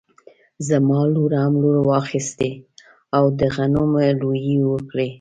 زما لور هم لور راواخيستی او د غنمو لو يې وکړی